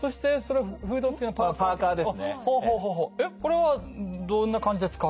えこれはどんな感じで使うんですか？